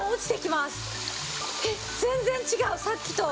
えっ全然違うさっきと。